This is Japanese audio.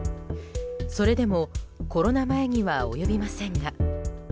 それでもコロナ前には及びませんが。